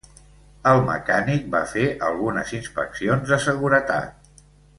El mecànic va fer algunes inspeccions de seguretat.